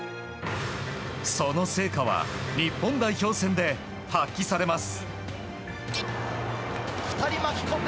その成果は、日本代表戦で発揮されます。